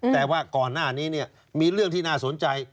แต่ว่าก่อนหน้านี้มีเรื่องที่น่าสนใจ